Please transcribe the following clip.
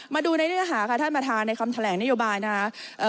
มาดูในเนื้อหาค่ะท่านประธานในคำแถลงนโยบายนะคะ